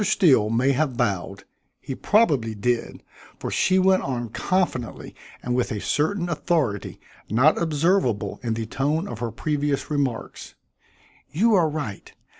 Steele may have bowed; he probably did, for she went on confidently and with a certain authority not observable in the tone of her previous remarks. "You are right.